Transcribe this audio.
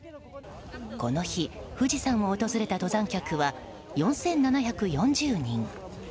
この日、富士山を訪れた登山客は４７４０人。